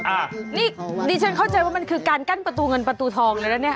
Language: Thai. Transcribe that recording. อ่ะนี่ดิฉันเข้าใจว่ามันคือการกั้นประตูเงินประตูทองเลยนะเนี่ย